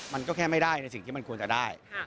มันก็แค่ไม่ได้ในสิ่งที่มันควรจะได้